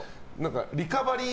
リカバリー